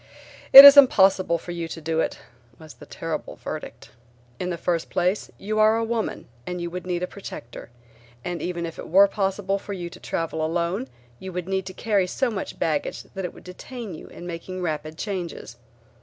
"It is impossible for you to do it," was the terrible verdict. "In the first place you are a woman and would need a protector, and even if it were possible for you to travel alone you would need to carry so much baggage that it would detain you in making rapid changes.